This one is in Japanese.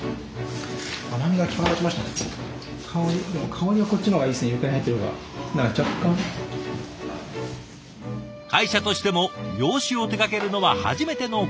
会社としても洋酒を手がけるのは初めてのこと。